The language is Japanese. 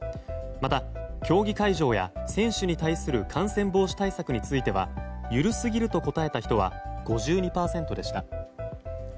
また、競技会場や選手に対する感染防止対策については緩すぎると答えた人は５２％でした。